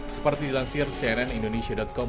seperti dilansir cnn indonesia com